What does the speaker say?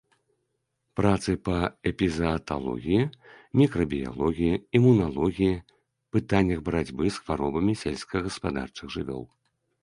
Працы па эпізааталогіі, мікрабіялогіі, імуналогіі, пытаннях барацьбы з хваробамі сельскагаспадарчых жывёл.